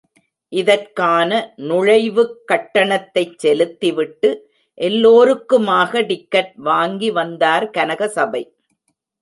இதற்கான நுழைவுக் கட்டணத்தைச் செலுத்தி விட்டு எல்லோருக்குமாக டிக்கட் வாங்கி வந்தார் கனகசபை.